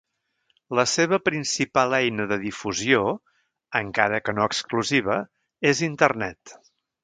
La seva principal eina de difusió, encara que no exclusiva, és Internet.